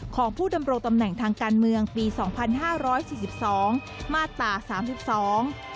ของผู้ดำรงตำแหน่งทางการเมืองปีสองพันห้าร้อยสี่สิบสองมาตราสามสิบสอง